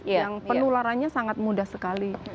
yang penularannya sangat mudah sekali